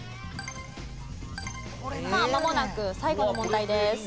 さあまもなく最後の問題です。